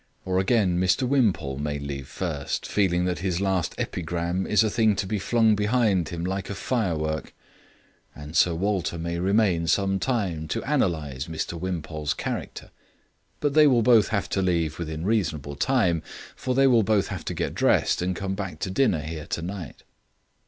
Or again, Mr Wimpole may leave first, feeling that his last epigram is a thing to be flung behind him like a firework. And Sir Walter may remain some time to analyse Mr Wimpole's character. But they will both have to leave within reasonable time, for they will both have to get dressed and come back to dinner here tonight."